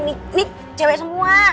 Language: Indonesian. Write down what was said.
nih nih cewek semua